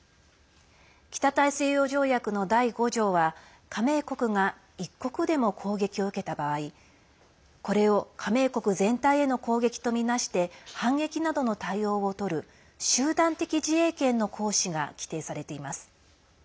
北大西洋条約の第５条は加盟国が１国でも攻撃を受けた場合これを加盟国全体への攻撃とみなして反撃などの対応をとる集団的自衛権の行使が規定されています。